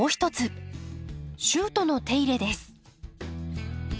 シュートの手入れです。